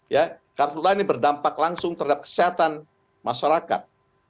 ya kartu lain ini berdampak langsung terhadap kesehatan masyarakat